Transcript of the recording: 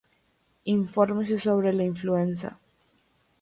Infórmese sobre la influenza